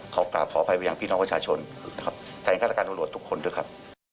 ขอกล่าวหอภัยพี่น้องประชาชนแต่ลหัวทุกคนด้วยครับ